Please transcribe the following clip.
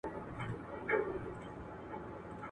هر توري چي یې زما له شوګیری سره ژړله.